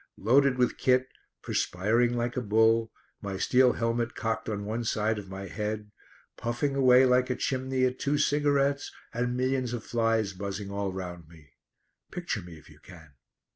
Loaded with kit, perspiring like a bull; my steel helmet cocked on one side of my head; puffing away like a chimney at two cigarettes, and millions of flies buzzing all around me. Picture me if you can.